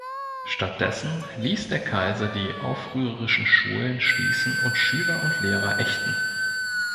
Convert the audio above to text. Stattdessen ließ der Kaiser die aufrührerischen Schulen schließen und Schüler und Lehrer ächten.